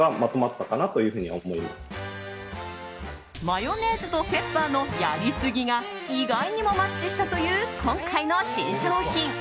マヨネーズとペッパーのやりすぎが意外にもマッチしたという今回の新商品。